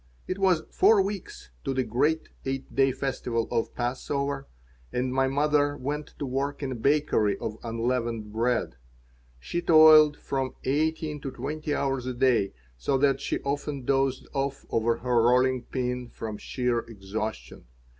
It was four weeks to the great eight day festival of Passover and my mother went to work in a bakery of unleavened bread. She toiled from eighteen to twenty hours a day, so that she often dozed off over her rolling pin from sheer exhaustion.